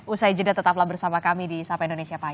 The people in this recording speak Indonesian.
usai jeda tetaplah bersama kami di sapa indonesia prime